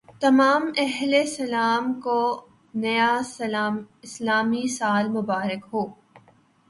تمام اہل اسلام کو نیا اسلامی سال مبارک ہو